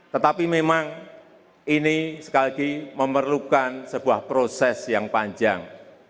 tetapi memang ini sekali lagi memerlukan sebuah proses yang panjang